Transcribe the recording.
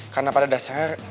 karena pada dasarnya